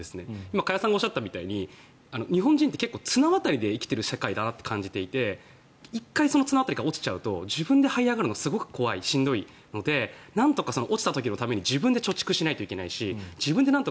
今、加谷さんがおっしゃったみたいに日本人って結構、綱渡りで生きている社会みたいだなと感じていて１回綱渡りから落ちちゃうと自分ではい上がるのは怖い、しんどい世界なのではい上がるために貯蓄をしないといけない。